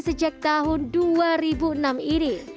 sejak tahun dua ribu enam ini